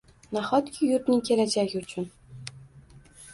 Nahotki yurtning kelajagi uchun